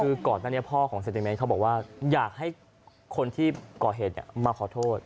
คือก่อนหน้านี้พ่อของเซติเมตรเขาบอกว่าอยากให้คนที่ก่อเหตุมาขอโทษ